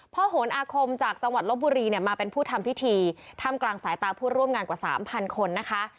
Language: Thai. โหนอาคมจากจังหวัดลบบุรีเนี่ยมาเป็นผู้ทำพิธีถ้ำกลางสายตาผู้ร่วมงานกว่าสามพันคนนะคะ